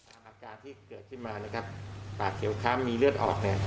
อาการที่เกิดขึ้นมานะครับปากเขียวค้ำมีเลือดออกเนี่ย